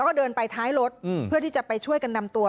แล้วก็เดินไปท้ายรถเพื่อที่จะไปช่วยกันนำตัว